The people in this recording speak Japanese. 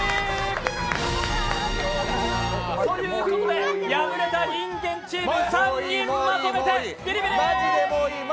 ということで敗れたニンゲンチーム、３人まとめて、ビリビリ！